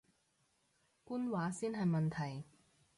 官話先係問題